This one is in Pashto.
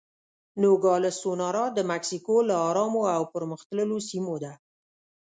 نوګالس سونورا د مکسیکو له ارامو او پرمختللو سیمو ده.